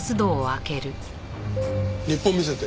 日報見せて。